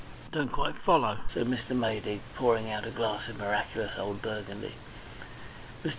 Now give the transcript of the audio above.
"Don't quite follow," said Mr. Maydig, pouring out a glass of miraculous old Burgundy. Mr.